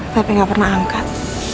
pepe nggak pernah angkat